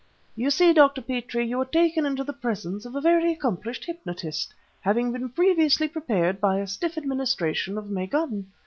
You see, Dr. Petrie, you were taken into the presence of a very accomplished hypnotist, having been previously prepared by a stiff administration of maagûn.